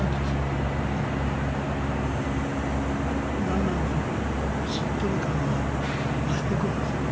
だんだんこのしっとり感が増してくるんですよ。